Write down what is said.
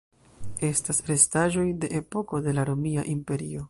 Estas restaĵoj de epoko de la Romia Imperio.